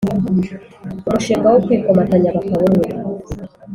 umushinga wo kwikomatanya bakaba umwe